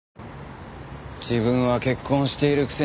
自分は結婚しているくせに。